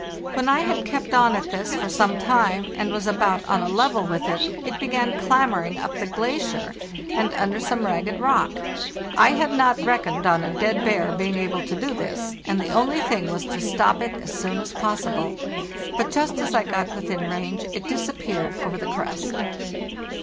When I had kept on at this for some time, and was about on a level with it, it began clambering up the glacier and under some ragged rock. I had not reckoned on a 'dead_ bear' being able to do this, and the only thing was to stop it as soon as possible; but just as I got within range it disappeared over the crest.